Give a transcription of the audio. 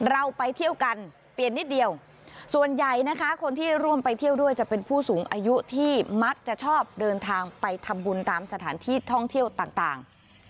เราไปเที่ยวกันเปลี่ยนนิดเดียวส่วนใหญ่นะคะคนที่ร่วมไปเที่ยวด้วยจะเป็นผู้สูงอายุที่มักจะชอบเดินทางไปทำบุญตามสถานที่ท่องเที่ยวต่าง